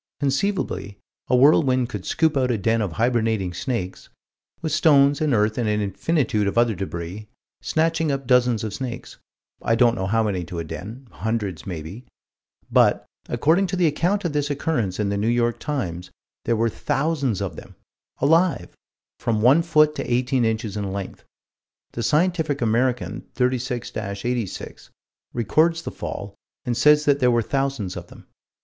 Conceivably a whirlwind could scoop out a den of hibernating snakes, with stones and earth and an infinitude of other débris, snatching up dozens of snakes I don't know how many to a den hundreds maybe but, according to the account of this occurrence in the New York Times, there were thousands of them; alive; from one foot to eighteen inches in length. The Scientific American, 36 86, records the fall, and says that there were thousands of them.